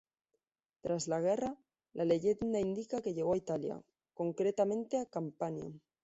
Tras la guerra, la leyenda indica que llegó a Italia, concretamente a Campania.